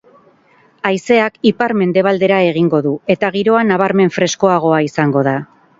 Haizeak ipar-mendebaldera egingo du, eta giroa nabarmen freskoagoa izango da.